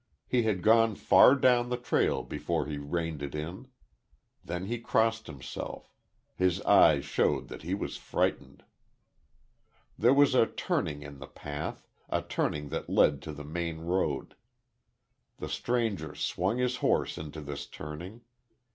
He had gone far down the trail before he reined it in. Then he crossed himself. His eyes showed that he was frightened. There was a turning in the path, a turning that led to the main road. The stranger swung his horse into this turning.